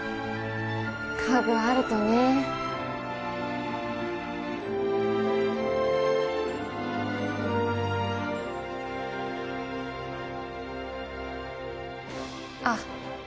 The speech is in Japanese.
家具あるとねあっ